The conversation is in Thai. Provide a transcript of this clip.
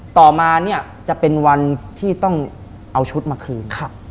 ต่อมาเนี่ยจะเป็นวันที่ต้องเอาชุดมาคืน